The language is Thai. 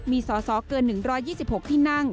มีสอสอเกิน๑๒๖ที่นั่ง